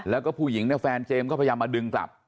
แล้วก็ผู้หญิงเนี่ยแฟนเจมส์ก็พยายามมาดึงกลับ